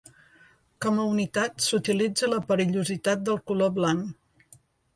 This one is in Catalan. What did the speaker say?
Com a unitat s'utilitza la perillositat del color blanc.